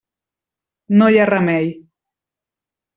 No hi ha remei.